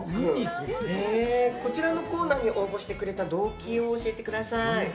こちらのコーナーに応募してくださった動機を教えてください。